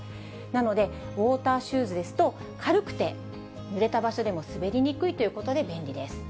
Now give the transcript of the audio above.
なので、ウォーターシューズですと、軽くて、ぬれた場所でも滑りにくいということで便利です。